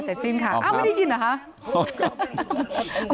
เสร็จสิ้นค่ะอ้าวไม่ได้ยินเหรอคะ